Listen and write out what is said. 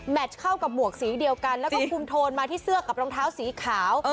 เข้ากับหมวกสีเดียวกันแล้วก็คุมโทนมาที่เสื้อกับรองเท้าสีขาว